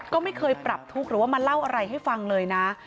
ก็ไม่เคยปรับทุกข์หรือว่ามาเล่าอะไรให้ฟังเลยนะ